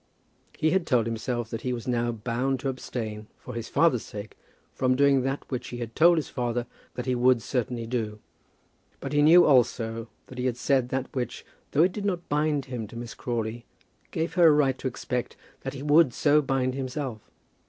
He had told himself that he was now bound to abstain, for his father's sake, from doing that which he had told his father that he would certainly do. But he knew also, that he had said that which, though it did not bind him to Miss Crawley, gave her a right to expect that he would so bind himself.